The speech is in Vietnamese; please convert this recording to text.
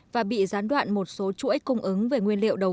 và bị gián đoạn một số chuỗi cung ứng về nguyên liệu đầu tư